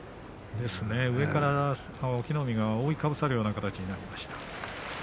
宇良に隠岐の海が覆いかぶさるような形になりました。